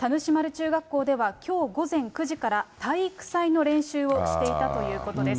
中学校ではきょう午前９時から体育祭の練習をしていたということです。